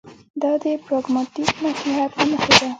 دا د پراګماټیک مصلحت له مخې ده.